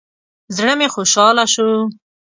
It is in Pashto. زړه مې خوشاله شو.